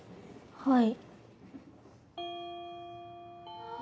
はい。